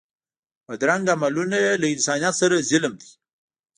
بدرنګه عملونه له انسانیت سره ظلم دی